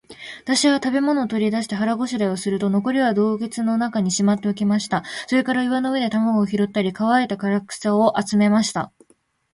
私は食物を取り出して、腹ごしらえをすると、残りは洞穴の中にしまっておきました。それから岩の上で卵を拾ったり、乾いた枯草を集めました。